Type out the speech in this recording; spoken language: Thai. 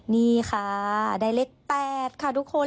นี่ค่ะได้เลข๘ค่ะทุกคน